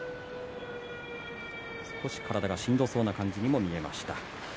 少し体がしんどそうな感じにも見えました。